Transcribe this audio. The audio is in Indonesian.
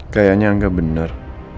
kayaknya angga bener